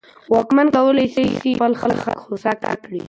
واکمن کولای سي خپل خلګ هوسا کړي.